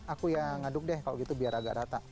aku yang ngaduk deh kalau gitu biar agak rata